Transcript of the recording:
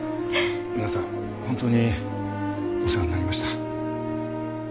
皆さん本当にお世話になりました。